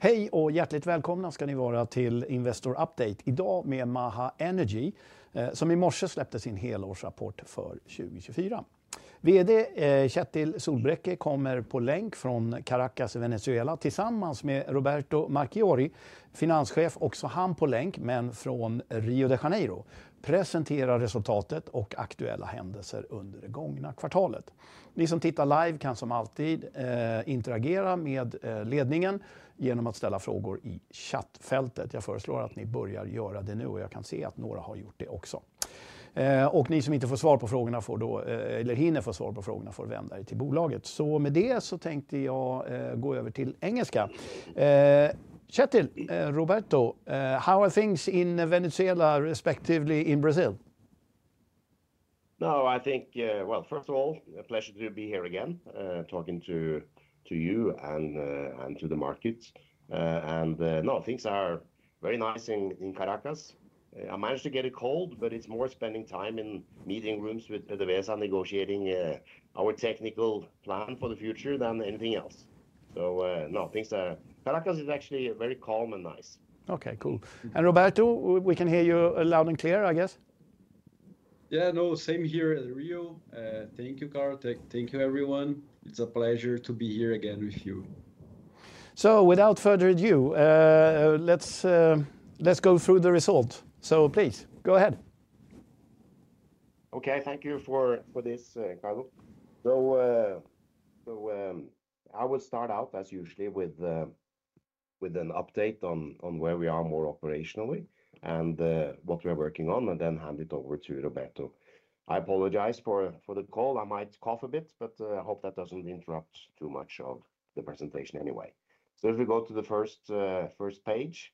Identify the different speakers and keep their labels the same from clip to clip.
Speaker 1: Hej och hjärtligt välkomna ska ni vara till Investor Update idag med Maha Energy som i morse släppte sin helårsrapport för 2024. Vd Kjetil Solbraekke kommer på länk från Caracas i Venezuela tillsammans med Roberto Marchiori, finanschef, också han på länk men från Rio de Janeiro, presenterar resultatet och aktuella händelser under det gångna kvartalet. Ni som tittar live kan som alltid interagera med ledningen genom att ställa frågor i chattfältet. Jag föreslår att ni börjar göra det nu och jag kan se att några har gjort det också. Och ni som inte får svar på frågorna får då, eller hinner få svar på frågorna får vända till bolaget. Så med det så tänkte jag gå över till engelska. Kjetil, Roberto, how are things in Venezuela respectively in Brazil?
Speaker 2: No, I think, first of all, a pleasure to be here again talking to you and to the markets. No, things are very nice in Caracas. I managed to get a call, but it's more spending time in meeting rooms with PDVSA negotiating our technical plan for the future than anything else. No, things are, Caracas is actually very calm and nice.
Speaker 1: Okay, cool. Roberto, we can hear you loud and clear, I guess.
Speaker 3: Yeah, no, same here at Rio. Thank you, Kaarlo. Thank you, everyone. It's a pleasure to be here again with you.
Speaker 1: Without further ado, let's go through the result. Please, go ahead.
Speaker 2: Okay, thank you for this, Kaarlo. I will start out as usual with an update on where we are more operationally and what we're working on and then hand it over to Roberto. I apologize for the call. I might cough a bit, but I hope that doesn't interrupt too much of the presentation anyway. If we go to the first page.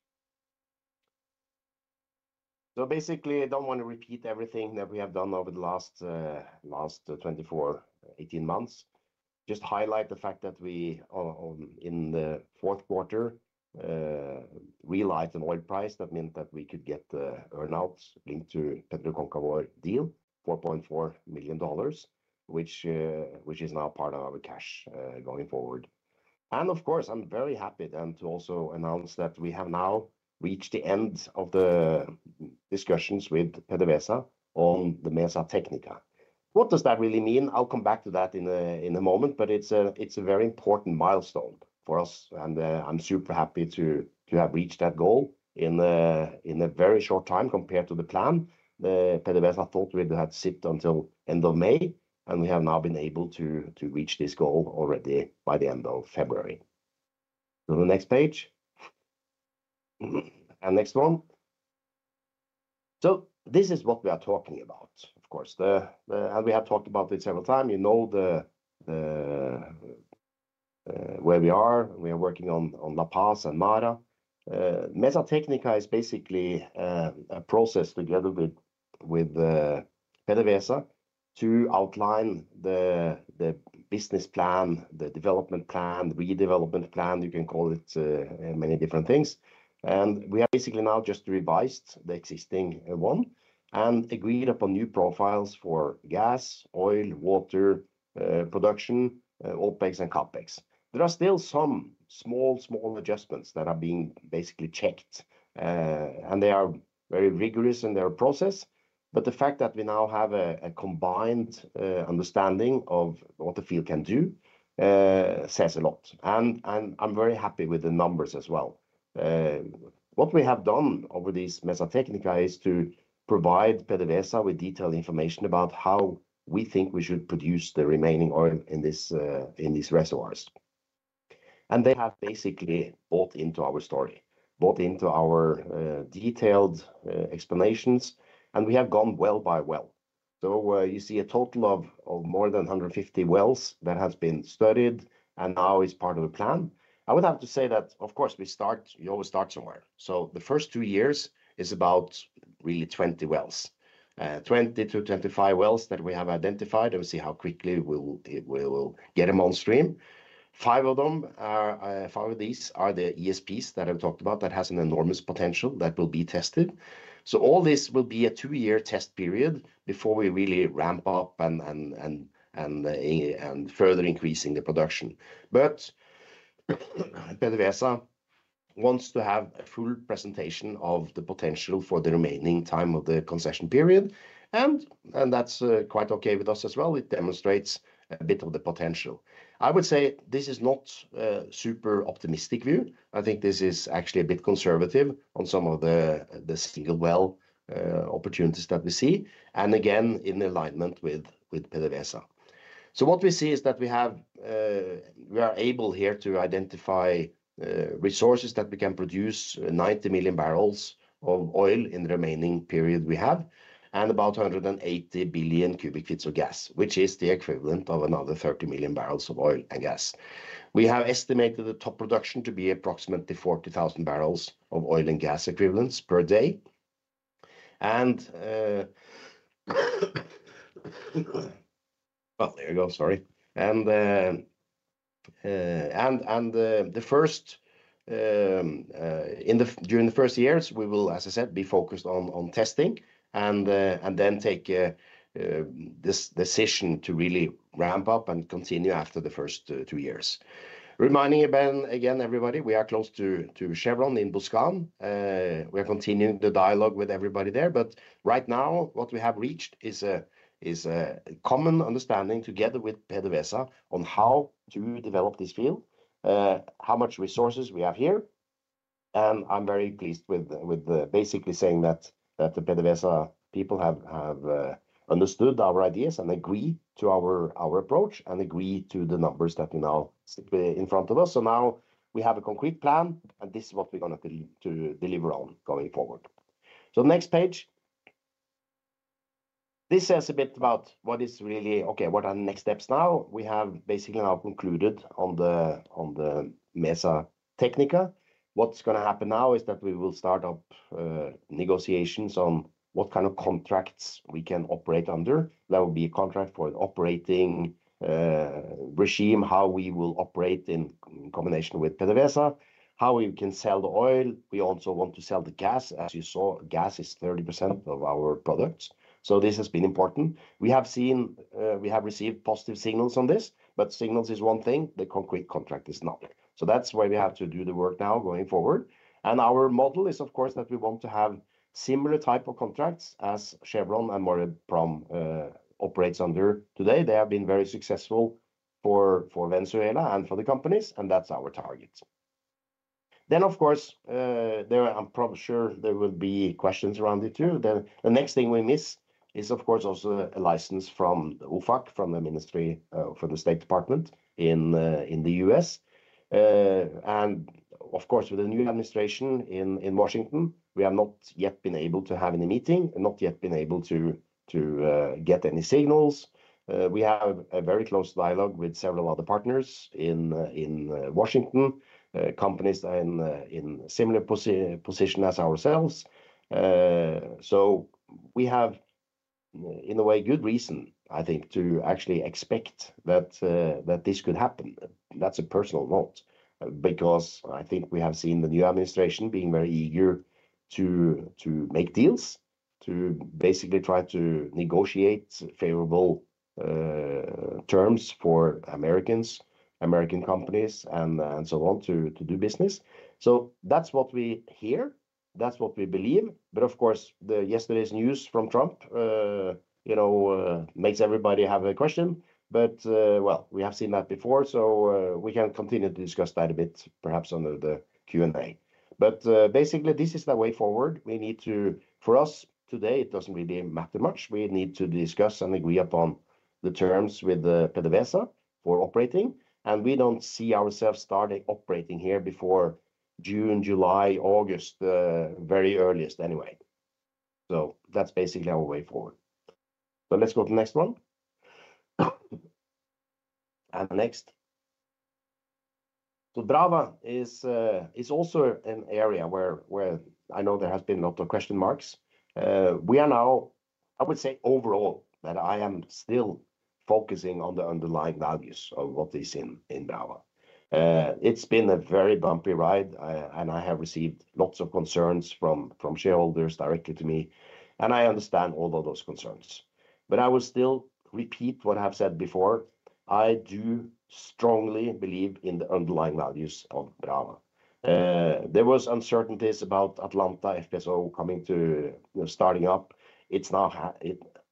Speaker 2: Basically, I don't want to repeat everything that we have done over the last 24, 18 months. Just highlight the fact that we in the fourth quarter realized an oil price that meant that we could get earnings linked to the PetroReconcavo deal, $4.4 million, which is now part of our cash going forward. Of course, I'm very happy then to also announce that we have now reached the end of the discussions with PDVSA on the Mesa Tecnica. What does that really mean? I'll come back to that in a moment, but it's a very important milestone for us. I'm super happy to have reached that goal in a very short time compared to the plan. PDVSA thought we had to sit until the end of May, and we have now been able to reach this goal already by the end of February. Next page. Next one. This is what we are talking about, of course. We have talked about it several times. You know where we are. We are working on La Paz and Mara. Mesa Tecnica is basically a process together with PDVSA to outline the business plan, the development plan, the redevelopment plan. You can call it many different things. We have basically now just revised the existing one and agreed upon new profiles for gas, oil, water production, OpEx and CapEx. There are still some small, small adjustments that are being basically checked. They are very rigorous in their process. The fact that we now have a combined understanding of what the field can do says a lot. I am very happy with the numbers as well. What we have done over this Mesa Tecnica is to provide PDVSA with detailed information about how we think we should produce the remaining oil in these reservoirs. They have basically bought into our story, bought into our detailed explanations. We have gone well by well. You see a total of more than 150 wells that have been studied and now is part of the plan. I would have to say that, of course, we always start somewhere. The first two years is about really 20-25 wells that we have identified and see how quickly we will get them on stream. Five of them, five of these are the ESPs that I've talked about that has an enormous potential that will be tested. All this will be a two-year test period before we really ramp up and further increase the production. PDVSA wants to have a full presentation of the potential for the remaining time of the concession period. That's quite okay with us as well. It demonstrates a bit of the potential. I would say this is not a super optimistic view. I think this is actually a bit conservative on some of the single well opportunities that we see. Again, in alignment with PDVSA. What we see is that we are able here to identify resources that we can produce, 90 million bbl of oil in the remaining period we have and about 180 billion cu ft of gas, which is the equivalent of another 30 million bbl of oil and gas. We have estimated the top production to be approximately 40,000 bbl of oil and gas equivalents per day. There you go, sorry. The first, during the first years, we will, as I said, be focused on testing and then take this decision to really ramp up and continue after the first two years. Reminding again, everybody, we are close to Chevron in Buscan. We are continuing the dialogue with everybody there. Right now, what we have reached is a common understanding together with PDVSA on how to develop this field, how much resources we have here. I am very pleased with basically saying that the PDVSA people have understood our ideas and agree to our approach and agree to the numbers that we now see in front of us. Now we have a concrete plan, and this is what we are going to deliver on going forward. Next page. This says a bit about what is really, okay, what are the next steps now? We have basically now concluded on the Mesa Tecnica. What is going to happen now is that we will start up negotiations on what kind of contracts we can operate under. There will be a contract for operating regime, how we will operate in combination with PDVSA, how we can sell the oil. We also want to sell the gas. As you saw, gas is 30% of our products. This has been important. We have seen, we have received positive signals on this, but signals is one thing. The concrete contract is not. That is why we have to do the work now going forward. Our model is, of course, that we want to have similar type of contracts as Chevron and Mora operates under today. They have been very successful for Venezuela and for the companies, and that is our target. I am sure there will be questions around it too. The next thing we miss is, of course, also a license from the UFAC, from the Ministry for the State Department in the U.S. Of course, with the new administration in Washington, we have not yet been able to have any meeting, not yet been able to get any signals. We have a very close dialogue with several other partners in Washington, companies in similar position as ourselves. We have, in a way, good reason, I think, to actually expect that this could happen. That's a personal note because I think we have seen the new administration being very eager to make deals, to basically try to negotiate favorable terms for Americans, American companies, and so on to do business. That's what we hear. That's what we believe. Of course, yesterday's news from Trump makes everybody have a question. We have seen that before, so we can continue to discuss that a bit, perhaps under the Q&A. Basically, this is the way forward. We need to, for us today, it doesn't really matter much. We need to discuss and agree upon the terms with PDVSA for operating. We don't see ourselves starting operating here before June, July, August, very earliest anyway. That's basically our way forward. Let's go to the next one. The next. Brava is also an area where I know there has been a lot of question marks. We are now, I would say overall, that I am still focusing on the underlying values of what is in Brava. It's been a very bumpy ride, and I have received lots of concerns from shareholders directly to me. I understand all of those concerns. I will still repeat what I've said before. I do strongly believe in the underlying values of Brava. There were uncertainties about Atlanta FPSO coming to starting up. It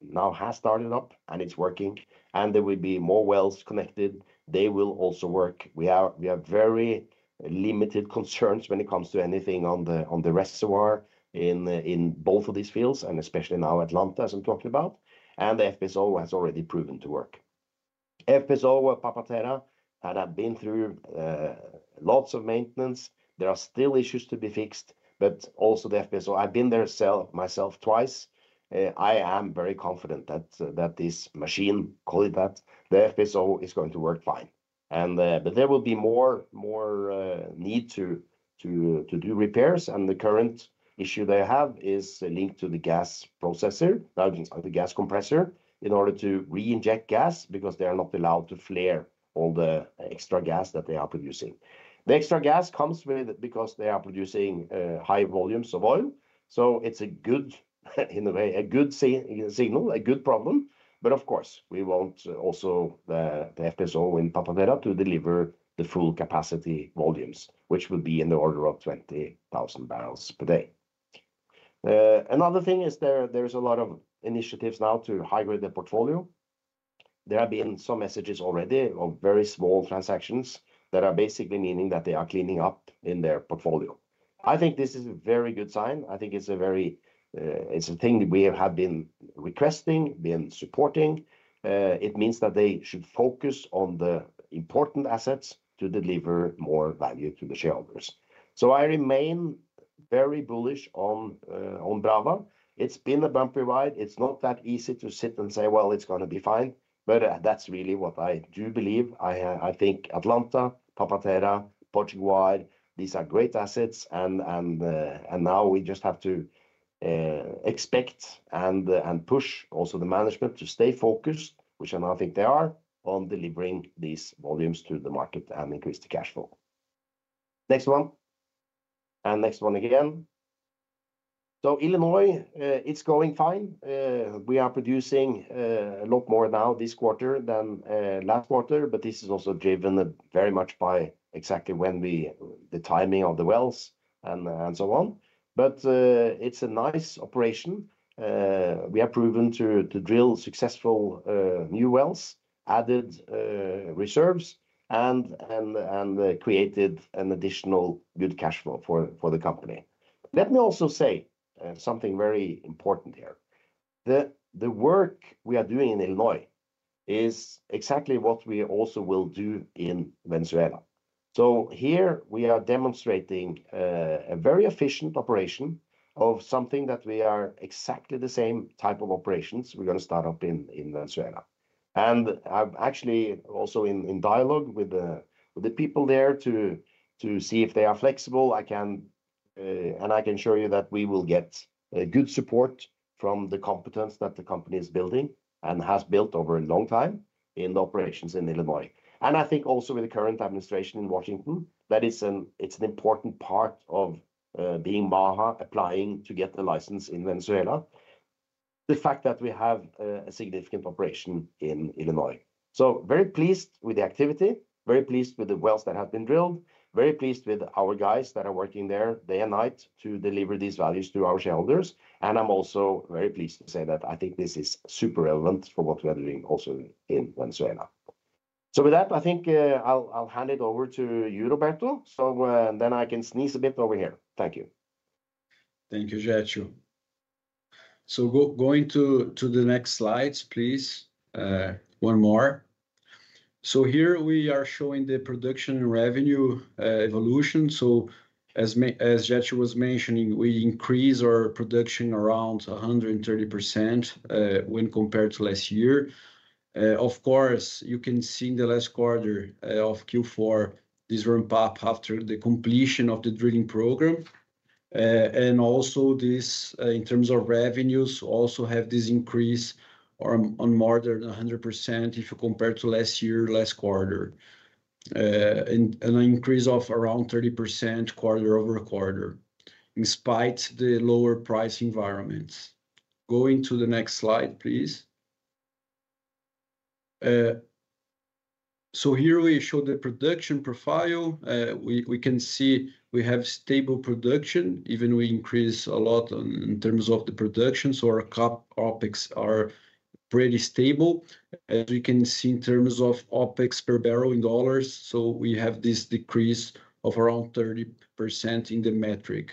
Speaker 2: now has started up and it's working. There will be more wells connected. They will also work. We have very limited concerns when it comes to anything on the reservoir in both of these fields, and especially now Atlanta, as I'm talking about. The FPSO has already proven to work. FPSO Papa Terra had been through lots of maintenance. There are still issues to be fixed, but also the FPSO. I have been there myself twice. I am very confident that this machine, call it that, the FPSO is going to work fine. There will be more need to do repairs. The current issue they have is linked to the gas processor, the gas compressor, in order to re-inject gas because they are not allowed to flare all the extra gas that they are producing. The extra gas comes with it because they are producing high volumes of oil. It is a good, in a way, a good signal, a good problem. Of course, we want also the FPSO in Papa Terra to deliver the full capacity volumes, which would be in the order of 20,000 bbl per day. Another thing is there is a lot of initiatives now to highlight the portfolio. There have been some messages already of very small transactions that are basically meaning that they are cleaning up in their portfolio. I think this is a very good sign. I think it's a thing that we have been requesting, been supporting. It means that they should focus on the important assets to deliver more value to the shareholders. I remain very bullish on Brava. It's been a bumpy ride. It's not that easy to sit and say, well, it's going to be fine. That is really what I do believe. I think Atlanta, Papa Terra, these are great assets. Now we just have to expect and push also the management to stay focused, which I now think they are, on delivering these volumes to the market and increase the cash flow. Next one. Next one again. Illinois, it's going fine. We are producing a lot more now this quarter than last quarter. This is also driven very much by exactly when the timing of the wells and so on. It's a nice operation. We have proven to drill successful new wells, added reserves, and created an additional good cash flow for the company. Let me also say something very important here. The work we are doing in Illinois is exactly what we also will do in Venezuela. Here we are demonstrating a very efficient operation of something that we are exactly the same type of operations we're going to start up in Venezuela. I'm actually also in dialogue with the people there to see if they are flexible. I can show you that we will get good support from the competence that the company is building and has built over a long time in the operations in Illinois. I think also with the current administration in Washington, that it's an important part of being Maha applying to get the license in Venezuela. The fact that we have a significant operation in Illinois. Very pleased with the activity, very pleased with the wells that have been drilled, very pleased with our guys that are working there day and night to deliver these values to our shareholders. I'm also very pleased to say that I think this is super relevant for what we are doing also in Venezuela. With that, I think I'll hand it over to you, Roberto. Then I can sneeze a bit over here. Thank you.
Speaker 3: Thank you, Kjetil. Going to the next slides, please. One more. Here we are showing the production and revenue evolution. As Kjetil was mentioning, we increased our production around 130% when compared to last year. Of course, you can see in the last quarter of Q4, this ramp up after the completion of the drilling program. Also, in terms of revenues, we have this increase of more than 100% if you compare to last year, last quarter. An increase of around 30% quarter-over-quarter, in spite of the lower price environments. Going to the next slide, please. Here we show the production profile. We can see we have stable production, even though we increased a lot in terms of the production. Our OpEx are pretty stable. As you can see in terms of OpEx per barrel in dollars, we have this decrease of around 30% in the metric.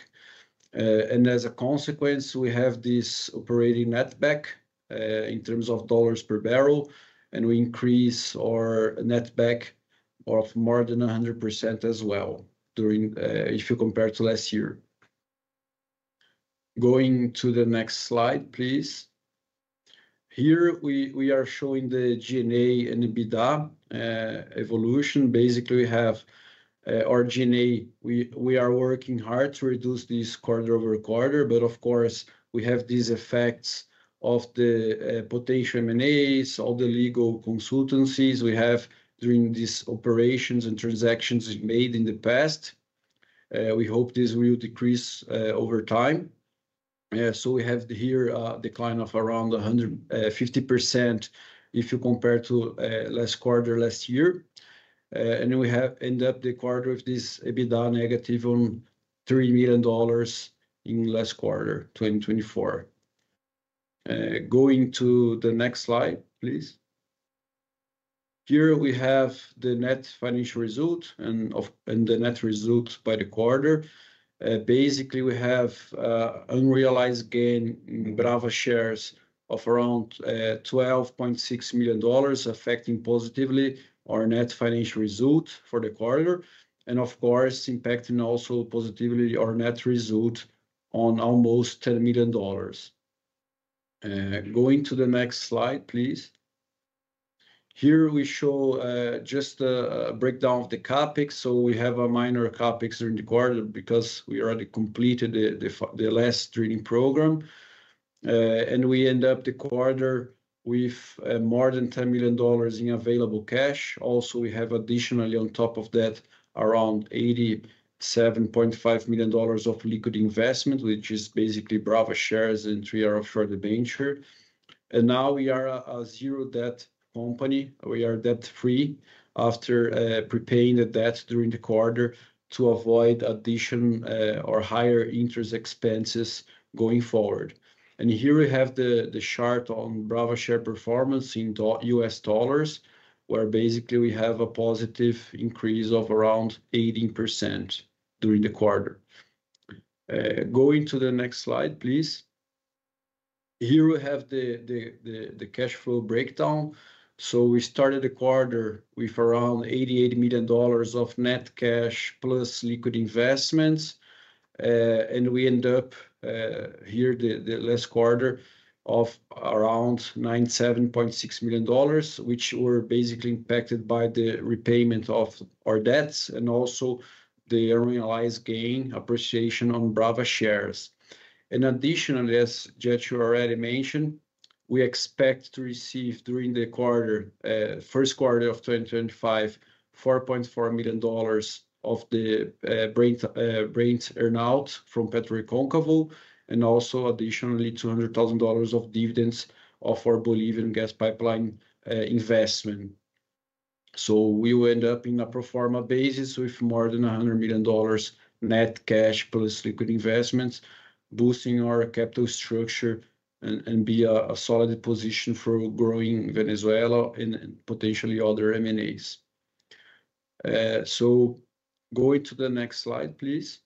Speaker 3: As a consequence, we have this operating netback in terms of dollars per barrel. We increase our netback of more than 100% as well if you compare to last year. Going to the next slide, please. Here we are showing the G&A and the EBITDA evolution. Basically, we have our G&A. We are working hard to reduce this quarter-over-quarter. Of course, we have these effects of the potential M&As, all the legal consultancies we have during these operations and transactions made in the past. We hope this will decrease over time. We have here a decline of around 150% if you compare to last quarter last year. We end up the quarter with this EBITDA -$3 million in last quarter 2024. Going to the next slide, please. Here we have the net financial result and the net result by the quarter. Basically, we have unrealized gain in Brava shares of around $12.6 million affecting positively our net financial result for the quarter. Of course, impacting also positively our net result on almost $10 million. Going to the next slide, please. Here we show just a breakdown of the CapEx. We have a minor CapEx during the quarter because we already completed the last drilling program. We end up the quarter with more than $10 million in available cash. Also, we have additionally on top of that around $87.5 million of liquid investment, which is basically Brava shares and Tree of Short Adventure. Now we are a zero debt company. We are debt-free after prepaying the debt during the quarter to avoid additional or higher interest expenses going forward. Here we have the chart on Brava share performance in U.S. dollars, where basically we have a positive increase of around 18% during the quarter. Going to the next slide, please. Here we have the cash flow breakdown. We started the quarter with around $88 million of net cash plus liquid investments. We end up here the last quarter of around $97.6 million, which were basically impacted by the repayment of our debts and also the unrealized gain appreciation on Brava shares. Additionally, as Kjetil already mentioned, we expect to receive during the first quarter of 2025, $4.4 million of the Brava earn-out from PetroReconcavo and also additionally $200,000 of dividends of our Bolivian gas pipeline investment. We will end up in a proforma basis with more than $100 million net cash plus liquid investments, boosting our capital structure and be a solid position for growing Venezuela and potentially other M&As. Going to the next slide, please.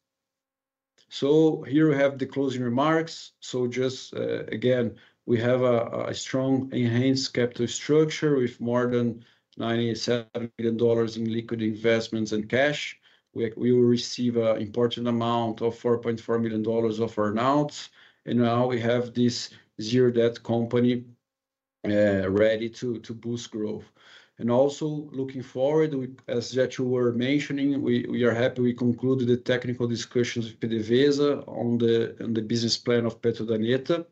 Speaker 3: Here we have the closing remarks. Just again, we have a strong enhanced capital structure with more than $97 million in liquid investments and cash. We will receive an important amount of $4.4 million of earn-outs. Now we have this zero debt company ready to boost growth. Also looking forward, as Kjetil was mentioning, we are happy we concluded the technical discussions with PDVSA on the business plan of Petro Daneta.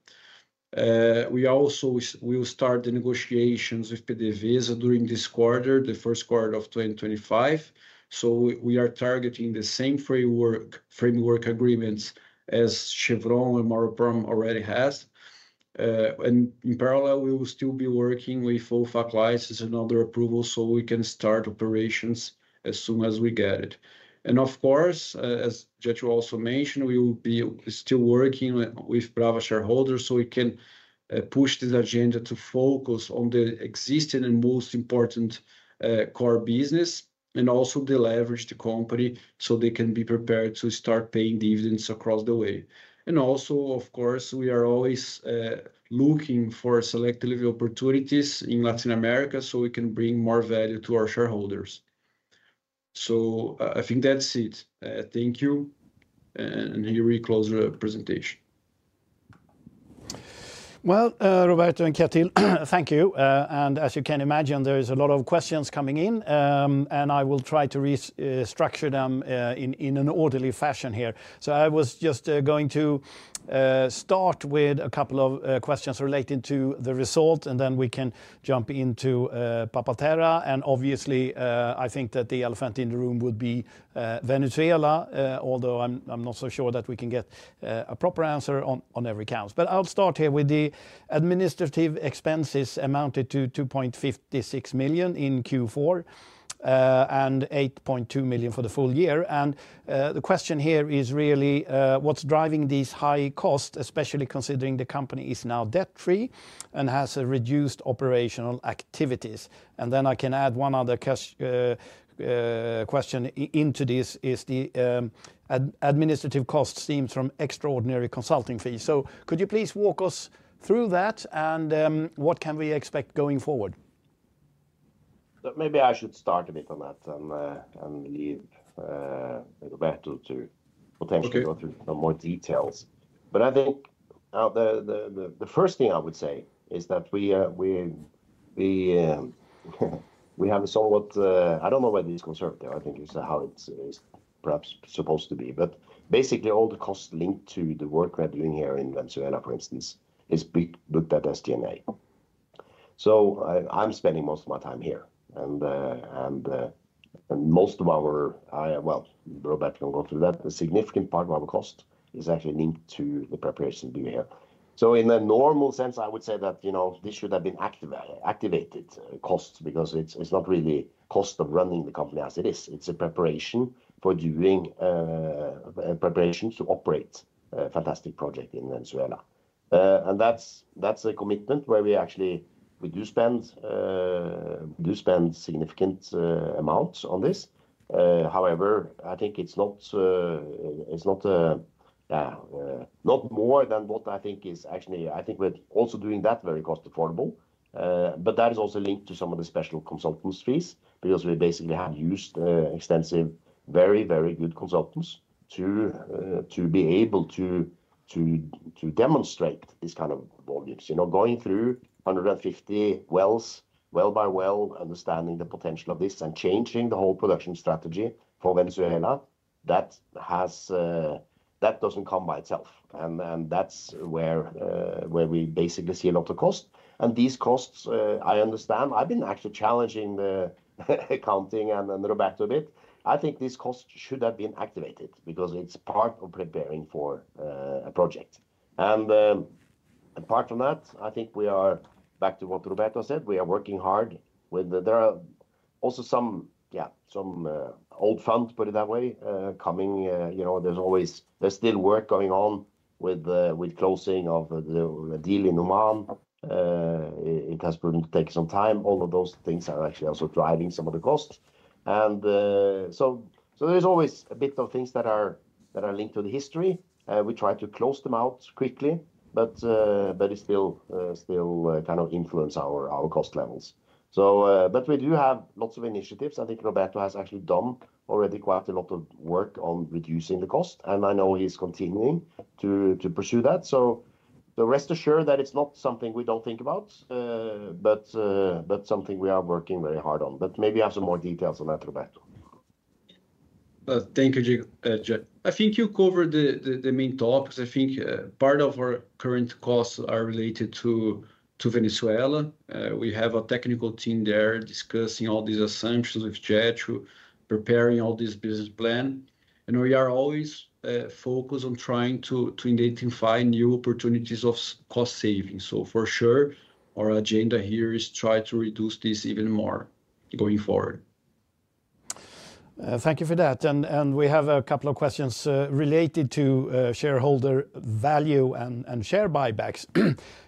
Speaker 3: We also will start the negotiations with PDVSA during this quarter, the first quarter of 2025. We are targeting the same framework agreements as Chevron and Murphy Oil already has.
Speaker 2: In parallel, we will still be working with OFAC license and other approvals so we can start operations as soon as we get it. Of course, as Kjetil also mentioned, we will be still working with Brava shareholders so we can push this agenda to focus on the existing and most important core business and also the leverage to company so they can be prepared to start paying dividends across the way. Of course, we are always looking for select delivery opportunities in Latin America so we can bring more value to our shareholders. I think that's it. Thank you. Here we close the presentation.
Speaker 1: Roberto and Kjetil, thank you. As you can imagine, there is a lot of questions coming in. I will try to structure them in an orderly fashion here. I was just going to start with a couple of questions related to the result, and then we can jump into Papa Terra and obviously I think that the elephant in the room would be Venezuela, although I'm not so sure that we can get a proper answer on every count. I'll start here with the administrative expenses amounted to $2.56 million in Q4 and $8.2 million for the full year. The question here is really what's driving these high costs, especially considering the company is now debt-free and has reduced operational activities. I can add one other question into this is the administrative costs seem from extraordinary consulting fees. Could you please walk us through that and what can we expect going forward?
Speaker 2: Maybe I should start a bit on that and leave Roberto to potentially go through some more details. I think the first thing I would say is that we have a somewhat, I do not know whether it is conservative, I think it is how it is perhaps supposed to be, but basically all the costs linked to the work we are doing here in Venezuela, for instance, is looked at as G&A. I am spending most of my time here. And most of our, Roberto can go through that, a significant part of our cost is actually linked to the preparation to be here. In a normal sense, I would say that this should have been activated costs because it is not really cost of running the company as it is. It is a preparation for doing preparations to operate a fantastic project in Venezuela. That is a commitment where we actually do spend significant amounts on this. However, I think it's not more than what I think is actually, I think we're also doing that very cost affordable. That is also linked to some of the special consultants fees because we basically have used extensive, very, very good consultants to be able to demonstrate this kind of volumes. Going through 150 wells, well by well, understanding the potential of this and changing the whole production strategy for Venezuela, that doesn't come by itself. That's where we basically see a lot of cost. These costs, I understand, I've been actually challenging the accounting and Roberto a bit. I think these costs should have been activated because it's part of preparing for a project. Apart from that, I think we are back to what Roberto said. We are working hard with, there are also some, yeah, some old funds, put it that way, coming. There's always, there's still work going on with closing of the deal in Oman. It has proven to take some time. All of those things are actually also driving some of the costs. There's always a bit of things that are linked to the history. We try to close them out quickly, but it still kind of influences our cost levels. We do have lots of initiatives. I think Roberto has actually done already quite a lot of work on reducing the cost. I know he's continuing to pursue that. Rest assured that it's not something we don't think about, but something we are working very hard on. Maybe you have some more details on that, Roberto.
Speaker 3: Thank you, Kjetil. I think you covered the main topics. I think part of our current costs are related to Venezuela. We have a technical team there discussing all these assumptions with JHU, preparing all this business plan. We are always focused on trying to identify new opportunities of cost savings. For sure, our agenda here is to try to reduce this even more going forward.
Speaker 1: Thank you for that. We have a couple of questions related to shareholder value and share buybacks.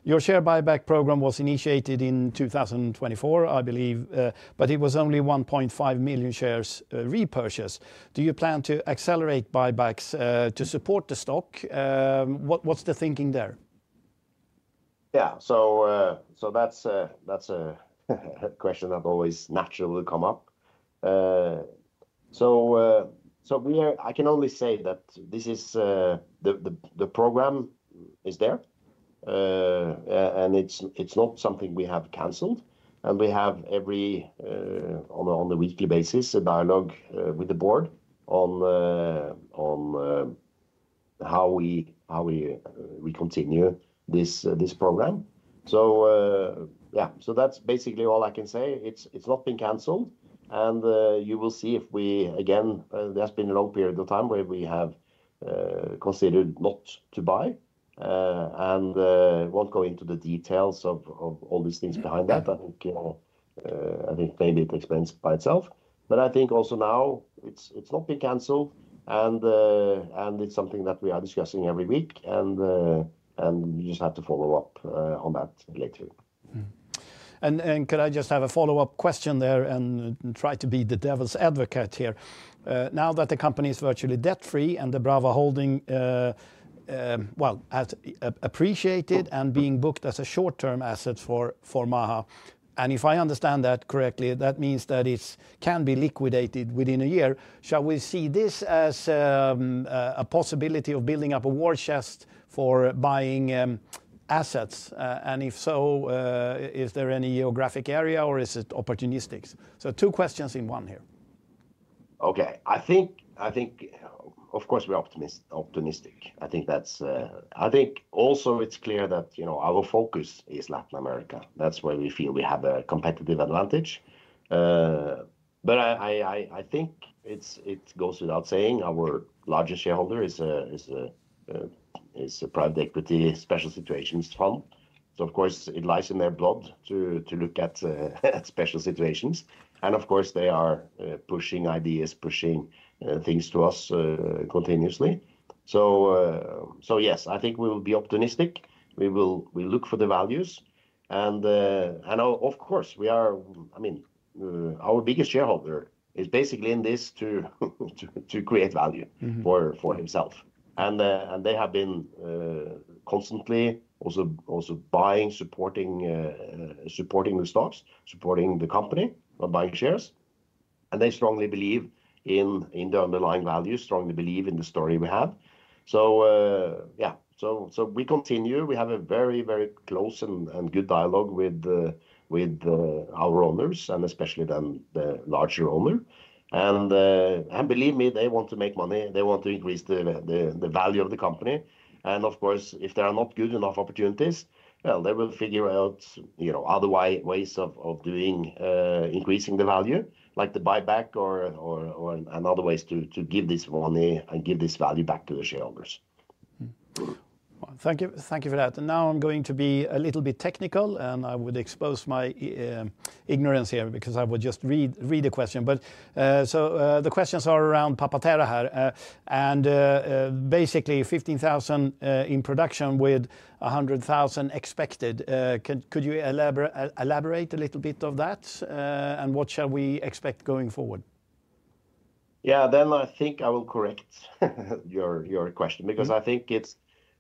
Speaker 1: Your share buyback program was initiated in 2024, I believe, but it was only 1.5 million shares repurchased. Do you plan to accelerate buybacks to support the stock? What's the thinking there?
Speaker 2: Yeah, that's a question that always naturally will come up. I can only say that this is the program is there. It's not something we have canceled. We have every on a weekly basis, a dialogue with the board on how we continue this program. Yeah, that's basically all I can say. It's not been canceled. You will see if we, again, there's been a long period of time where we have considered not to buy. I won't go into the details of all these things behind that. I think maybe it explains by itself. I think also now it's not been canceled. It's something that we are discussing every week. We just have to follow up on that later.
Speaker 1: Could I just have a follow-up question there and try to be the devil's advocate here? Now that the company is virtually debt-free and the Brava Holding, well, has appreciated and is being booked as a short-term asset for Maha. If I understand that correctly, that means that it can be liquidated within a year. Shall we see this as a possibility of building up a war chest for buying assets? If so, is there any geographic area or is it opportunistic? Two questions in one here.
Speaker 2: Okay, I think, of course, we're optimistic. I think that's, I think also it's clear that our focus is Latin America. That's where we feel we have a competitive advantage. I think it goes without saying our largest shareholder is a private equity special situations fund. Of course, it lies in their blood to look at special situations. They are pushing ideas, pushing things to us continuously. Yes, I think we will be optimistic. We will look for the values. We are, I mean, our biggest shareholder is basically in this to create value for himself. They have been constantly also buying, supporting the stocks, supporting the company, not buying shares. They strongly believe in the underlying value, strongly believe in the story we have. Yeah, we continue. We have a very, very close and good dialogue with our owners and especially then the larger owner. Believe me, they want to make money. They want to increase the value of the company. Of course, if there are not good enough opportunities, they will figure out other ways of doing increasing the value, like the buyback or in other ways to give this money and give this value back to the shareholders.
Speaker 1: Thank you for that. Now I'm going to be a little bit technical and I would expose my ignorance here because I would just read a question. The questions are around Papa Terra here. Basically 15,000 in production with 100,000 expected. Could you elaborate a little bit of that and what shall we expect going forward?
Speaker 2: Yeah, I think I will correct your question because I think it's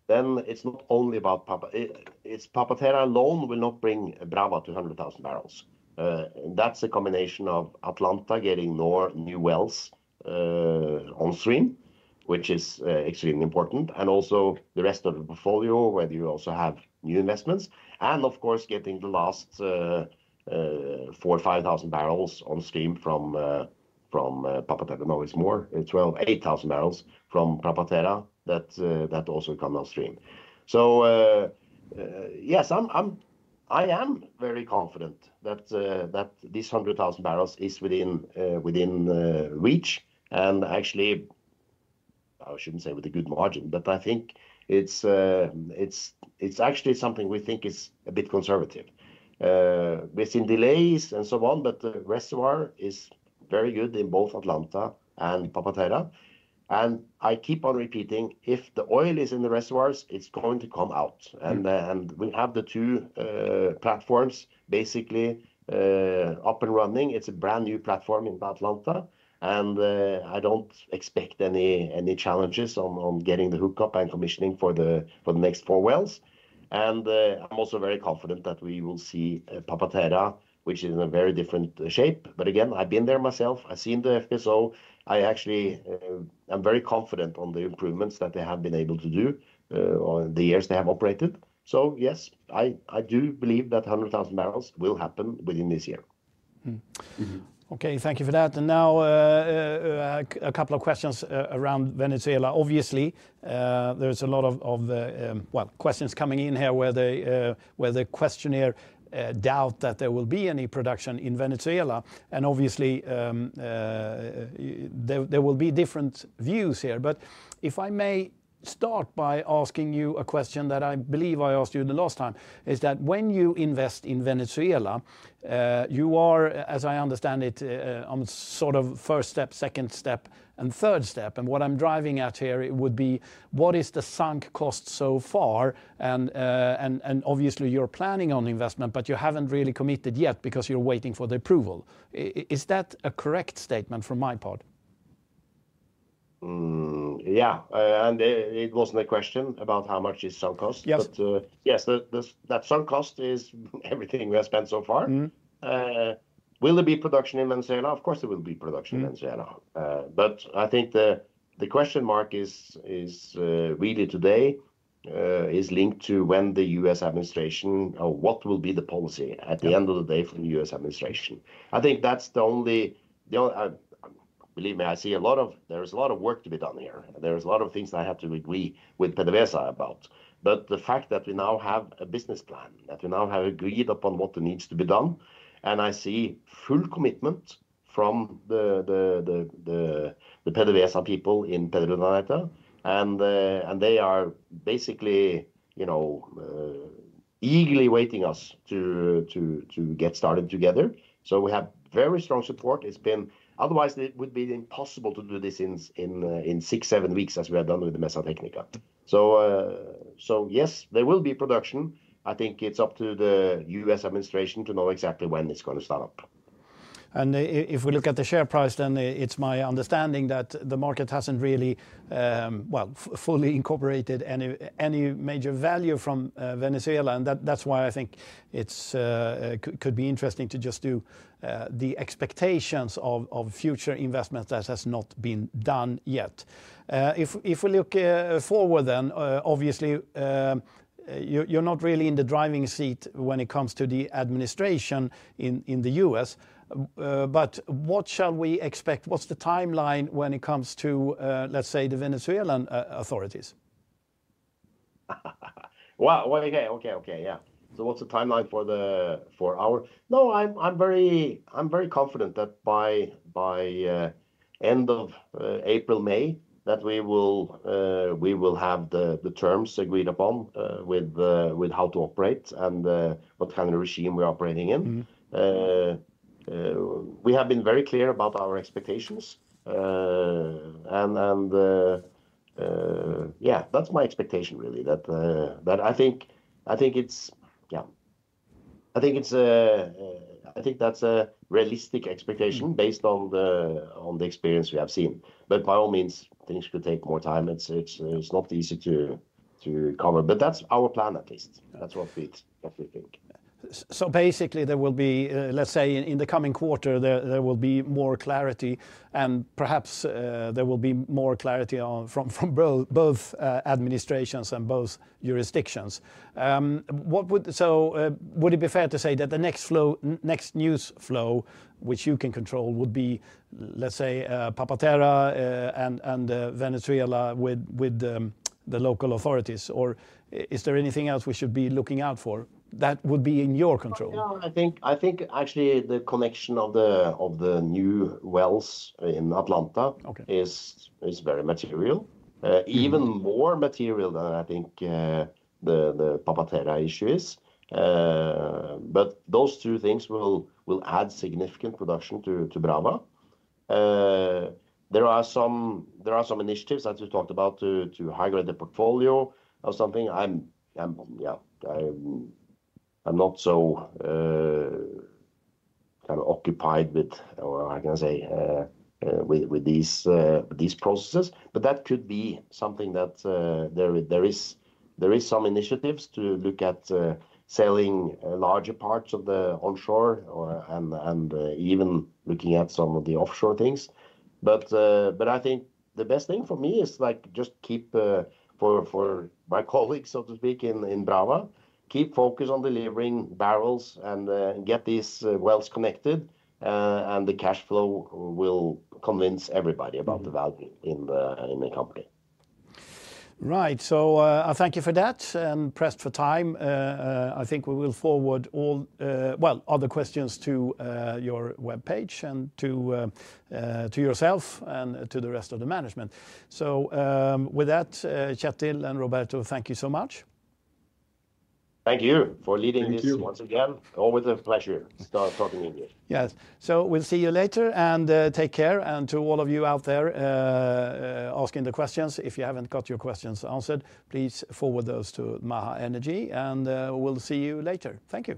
Speaker 2: not only about Papa Terra, Papa Terra alone will not bring Brava to 100,000 bbl. That's a combination of Atlanta getting more new wells on stream, which is extremely important, and also the rest of the portfolio, where you also have new investments. Of course, getting the last 4,000 bbl-5,000 bbl on stream from Papa Terra, no, it's more, 12,000 bbl-8,000 bbl from Papa Terra that also come on stream. Yes, I am very confident that these 100,000 bbl is within reach. Actually, I shouldn't say with a good margin, but I think it's actually something we think is a bit conservative. We've seen delays and so on, but the reservoir is very good in both Atlanta and Papa Terra and I keep on repeating if the oil is in the reservoirs, it's going to come out. We have the two platforms basically up and running. It's a brand new platform in Atlanta. I don't expect any challenges on getting the hookup and commissioning for the next four wells. I'm also very confident that we will see Papa Terra, which is in a very different shape. I have been there myself. I have seen the FSO. I actually am very confident on the improvements that they have been able to do in the years they have operated. Yes, I do believe that 100,000 bbl will happen within this year.
Speaker 1: Okay, thank you for that. Now a couple of questions around Venezuela. Obviously, there's a lot of, well, questions coming in here where the questionnaire doubt that there will be any production in Venezuela. Obviously, there will be different views here. If I may start by asking you a question that I believe I asked you the last time, is that when you invest in Venezuela, you are, as I understand it, on sort of first step, second step, and third step. What I'm driving at here would be what is the sunk cost so far? Obviously, you're planning on investment, but you haven't really committed yet because you're waiting for the approval. Is that a correct statement from my part?
Speaker 2: Yeah, and it wasn't a question about how much is sunk cost. Yes, that sunk cost is everything we have spent so far. Will there be production in Venezuela? Of course, there will be production in Venezuela. I think the question mark is really today is linked to when the U.S. administration or what will be the policy at the end of the day for the U.S. administration. I think that's the only, believe me, I see a lot of, there's a lot of work to be done here. There's a lot of things I have to agree with PDVSA about. The fact that we now have a business plan, that we now have agreed upon what needs to be done, and I see full commitment from the PDVSA people in Petro Daneta. They are basically eagerly waiting us to get started together. We have very strong support. Otherwise, it would be impossible to do this in six-seven weeks as we have done with the Mesa Tecnica. Yes, there will be production. I think it's up to the U.S. administration to know exactly when it's going to start up.
Speaker 1: If we look at the share price, then it's my understanding that the market hasn't really, well, fully incorporated any major value from Venezuela. That's why I think it could be interesting to just do the expectations of future investments that have not been done yet. If we look forward, then obviously, you're not really in the driving seat when it comes to the administration in the U.S. What shall we expect? What's the timeline when it comes to, let's say, the Venezuelan authorities?
Speaker 2: Okay, okay, okay, yeah. What's the timeline for our? No, I'm very confident that by end of April, May, we will have the terms agreed upon with how to operate and what kind of regime we're operating in. We have been very clear about our expectations. Yeah, that's my expectation really. I think that's a realistic expectation based on the experience we have seen. By all means, things could take more time. It's not easy to cover. That's our plan at least. That's what we think.
Speaker 1: Basically, in the coming quarter, there will be more clarity and perhaps there will be more clarity from both administrations and both jurisdictions. Would it be fair to say that the next news flow, which you can control, would be, let's say, Papa Terra and Venezuela with the local authorities? Is there anything else we should be looking out for that would be in your control?
Speaker 2: No, I think actually the connection of the new wells in Atlanta is very material. Even more material than I think the Papa Terra issue is. Those two things will add significant production to Brava. There are some initiatives that you talked about to highlight the portfolio or something. I'm not so kind of occupied with, how can I say, with these processes. That could be something that there are some initiatives to look at selling larger parts of the onshore and even looking at some of the offshore things. I think the best thing for me is just keep, for my colleagues, so to speak, in Brava, keep focus on delivering barrels and get these wells connected. The cash flow will convince everybody about the value in the company.
Speaker 1: Right, so I thank you for that and pressed for time. I think we will forward all, well, other questions to your webpage and to yourself and to the rest of the management. With that, Kjetil and Roberto, thank you so much.
Speaker 2: Thank you for leading this once again. Always a pleasure to start talking with you.
Speaker 1: Yes, we will see you later and take care. To all of you out there asking the questions, if you have not got your questions answered, please forward those to Maha Energy. We will see you later. Thank you.